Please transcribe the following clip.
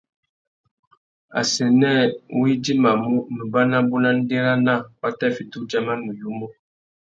Assênē wá idjimamú, nubá nabú na ndérana, wa tà fiti udjama nuyumu.